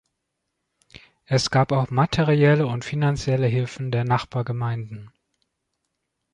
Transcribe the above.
Es gab auch materielle und finanzielle Hilfen der Nachbargemeinden.